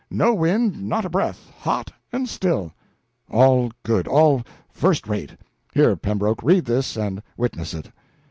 No wind not a breath; hot and still." "All good; all first rate. Here, Pembroke, read this, and witness it."